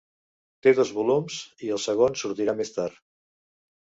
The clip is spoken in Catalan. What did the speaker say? Té dos volums, i el segon sortirà més tard.